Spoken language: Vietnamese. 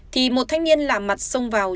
thì một thanh niên làm mặt xông vào